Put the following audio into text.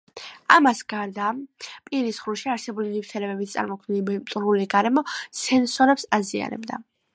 ამას გარდა, პირის ღრუში არსებული ნივთიერებებით წარმოქმნილი მტრული გარემო სენსორებს აზიანებდა.